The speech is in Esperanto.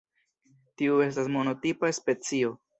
Tiu estas monotipa specio.